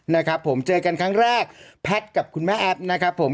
นะครับผมเจอกันครั้งแรกแพทย์กับคุณแม่แอฟนะครับผม